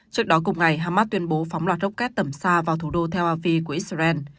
trước đó cùng ngày hamas tuyên bố phóng loạt rocket tầm xa vào thủ đô tel avi của israel